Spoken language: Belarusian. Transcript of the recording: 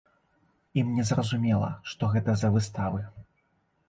Ім незразумела, што гэта за выставы.